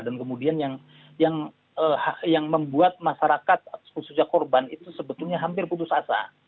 dan kemudian yang membuat masyarakat khususnya korban itu sebetulnya hampir putus asa